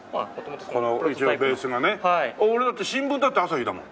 俺だって新聞だって朝日だもん。